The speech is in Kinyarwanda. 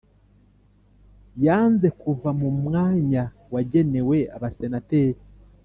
yanze kuva mu mwanya wagenewe abasenateri